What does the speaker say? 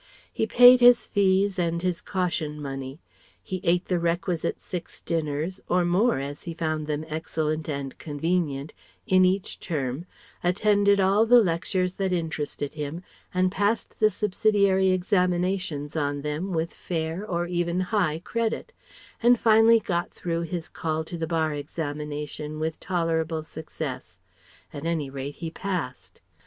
He paid his fees and his "caution" money; he ate the requisite six dinners or more, as he found them excellent and convenient in each term, attended all the lectures that interested him, and passed the subsidiary examinations on them with fair or even high credit; and finally got through his "Call to the Bar" examination with tolerable success; at any rate he passed.